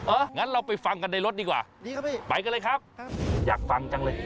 งั้นเราไปฟังกันในรถดีกว่าพี่ไปกันเลยครับอยากฟังจังเลย